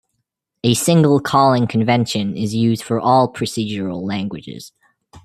A single calling convention is used for all procedural languages.